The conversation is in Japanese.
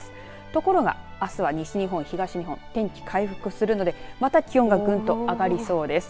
ところが、あすは西日本東日本、天気、回復するのでまた気温がぐんと上がりそうです。